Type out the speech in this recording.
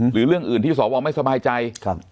เรื่องอื่นที่สวไม่สบายใจ